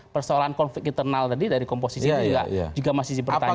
persoalan konflik internal tadi dari komposisi itu juga masih dipertanyakan